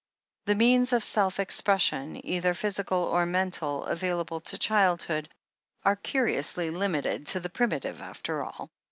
The means of self expression, either physical or mental, available to childhood, are curiously limited to the primitive after all.